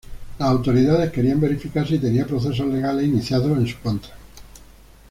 Las autoridades querían verificar si tenía procesos legales iniciados en su contra.